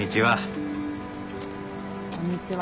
こんにちは。